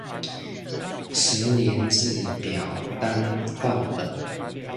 實聯制表單範本